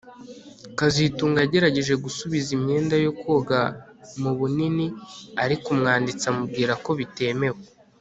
kazitunga yagerageje gusubiza imyenda yo koga mu bunini ariko umwanditsi amubwira ko bitemewe